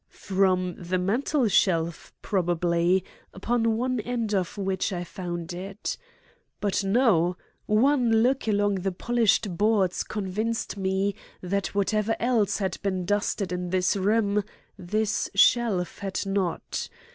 From the mantel shelf probably, upon one end of which I found it. But no! one look along the polished boards convinced me that whatever else had been dusted in this room this shelf had not.